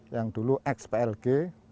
yang dulu xplg